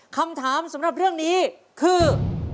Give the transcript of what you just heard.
คำถามสำหรับเรื่องนี้คือ